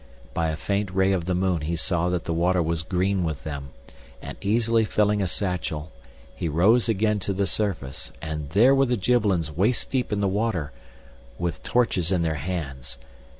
By a faint ray of the moon he saw that the water was green with them, and, easily filling a satchel, he rose again to the surface; and there were the Gibbelins waist deep in the water, with torches in their hands!